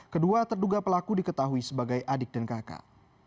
kedua terduga pelaku diketahui sebagai adik dan kakak